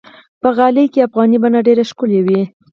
په غالۍ کې افغاني بڼه ډېره ښکلي وي.